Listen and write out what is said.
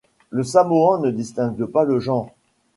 Le samoan ne distingue pas le genre.